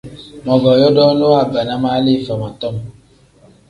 Mogoo yodooni waabana ma hali ifama tom.